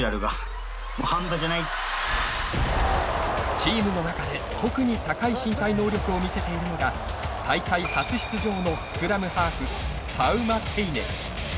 チームの中で、特に高い身体能力を見せているのが大会初出場のスクラムハーフタウマテイネ。